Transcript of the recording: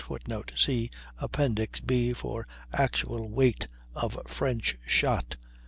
[Footnote: See Appendix B, for actual weight of French shot.